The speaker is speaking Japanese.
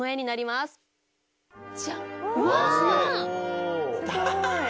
すごい。